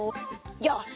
よし！